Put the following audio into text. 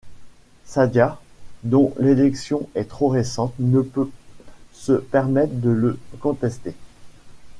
Saadia, dont l'élection est trop récente, ne peut se permettre de le contester.